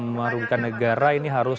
merugikan negara ini harus